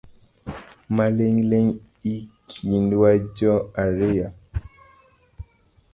Maling’ling’ ekindwa ji ariyo